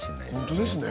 本当ですね